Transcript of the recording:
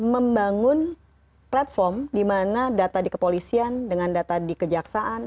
membangun platform di mana data di kepolisian dengan data di kejaksaan